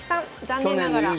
残念ながら。